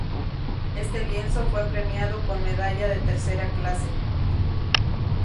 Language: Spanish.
Este lienzo fue premiado con medalla de tercera clase.